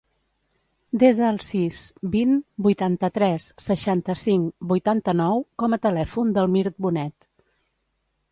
Desa el sis, vint, vuitanta-tres, seixanta-cinc, vuitanta-nou com a telèfon del Mirt Bonet.